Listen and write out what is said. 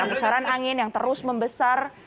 dan pesaran angin yang terus membesar